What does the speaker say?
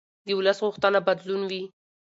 د ولس غوښتنه بدلون وي